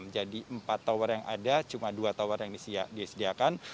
jadi empat tower yang ada cuma dua tower yang disediakan